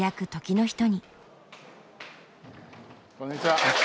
こんにちは。